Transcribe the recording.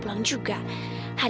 eh ini amat